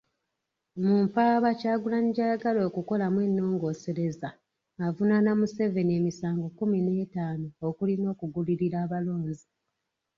Mu mpaaba, Kyagulanyi gy'ayagala okukolamu ennongoosereza, avunaana Museveni emisango kkumi n'etaana okuli n'okugulirira abalonzi.